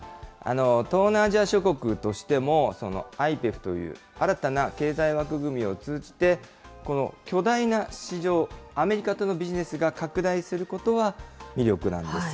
東南アジア諸国としても、ＩＰＥＦという新たな経済枠組みを通じて、この巨大な市場、アメリカとのビジネスが拡大することは、魅力なんです。